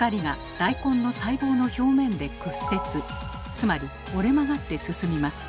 つまり折れ曲がって進みます。